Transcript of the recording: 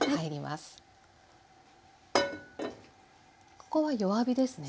ここは弱火ですね？